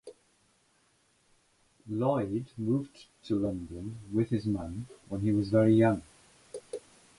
Lloyd moved to London with his mum when he was very young.